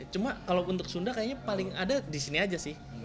cuma kalau untuk sunda kayaknya paling ada di sini aja sih